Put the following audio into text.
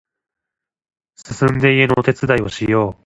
すすんで家のお手伝いをしよう